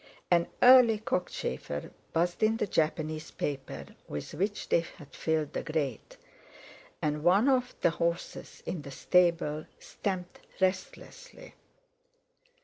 An early cockchafer buzzed in the Japanese paper with which they had filled the grate, and one of the horses in the stable stamped restlessly.